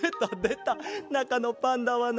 なかのパンダはな